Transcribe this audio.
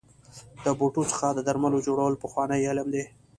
د بوټو څخه د درملو جوړول پخوانی علم دی.